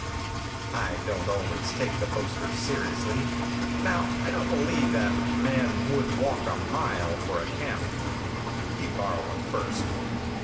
I don't always take the posters seriously. Now, I don't believe that that man "would walk a mile for a Camel." He'd borrow one first.